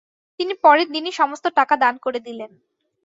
তিনি পরের দিনই সমস্ত টাকা দান করে দিলেন।